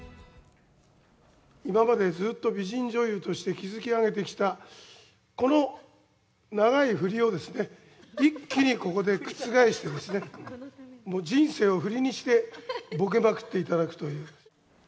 今まで、ずっと美人女優として築き上げてきた、この長いふりをですね、一気にここで覆してですね、もう人生をふりにして、ボケまくっていただくという。